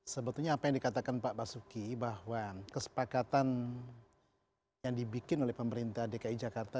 sebetulnya apa yang dikatakan pak basuki bahwa kesepakatan yang dibikin oleh pemerintah dki jakarta